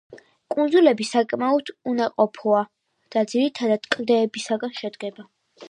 კუნძულები საკმაოდ უნაყოფოა და ძირითადად კლდეებისაგან შედგება.